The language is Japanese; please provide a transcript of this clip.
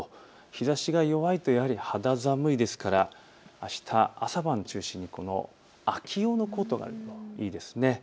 日ざしが弱いとやはり肌寒いですからあした、朝晩中心に秋用のコートがあるといいですね。